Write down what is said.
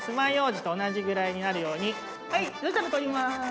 そしたら取ります。